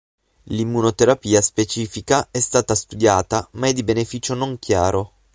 L'immunoterapia specifica è stata studiata, ma è di beneficio non chiaro.